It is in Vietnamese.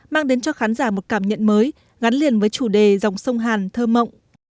mang đến cho khán giả một cảm nhận mới gắn liền với chủ đề dòng sông hàn thơ mộng